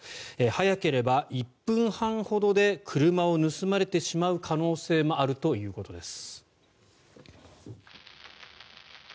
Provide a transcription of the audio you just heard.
早ければ１分半ほどで車を盗まれてしまう可能性もあるということです。